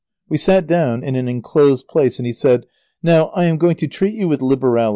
We sat down in an enclosed place and he said: "Now I am going to treat you with liberality.